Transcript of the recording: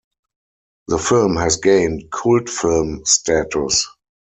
The film has gained cult film status.